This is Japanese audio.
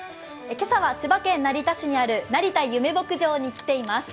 今朝は千葉県成田市にある成田ゆめ牧場に来ています。